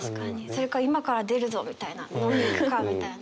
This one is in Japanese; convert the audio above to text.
それか今から出るぞみたいな行くかみたいな。